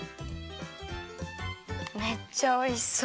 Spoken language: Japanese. めっちゃおいしそう。